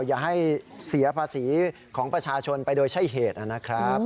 อย่าให้เสียภาษีของประชาชนไปโดยใช่เหตุนะครับ